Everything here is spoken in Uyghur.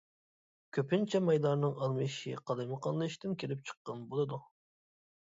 كۆپىنچە مايلارنىڭ ئالمىشىشى قالايمىقانلىشىشتىن كېلىپ چىققان بولىدۇ.